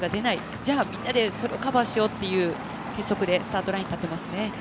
じゃあみんなでそれをカバーしようという結束でスタートラインに立っていますね。